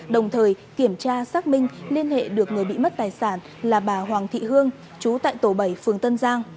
đồng thời kiểm tra xác minh liên hệ được người bị mất tài sản là bà hoàng thị hương chú tại tổ bảy phường tân giang